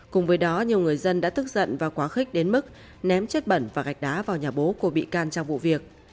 cùng với đó nhiều người dân đã tức giận và quá khích đến mức ném chất bẩn và gạch đá vào nhà bố của bị can trong vụ việc